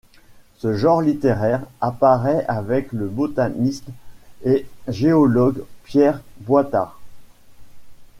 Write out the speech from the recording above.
Ce genre littéraire apparaît avec le botaniste et géologue Pierre Boitard.